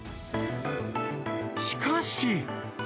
しかし。